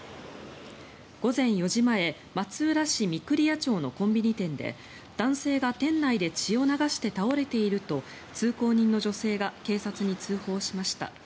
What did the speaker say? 午前４時前松浦市御厨町のコンビニ店で男性が店内で血を流して倒れていると通行人の女性が警察に通報しました。